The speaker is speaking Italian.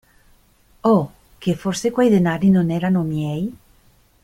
Oh, che forse quei denari non erano miei?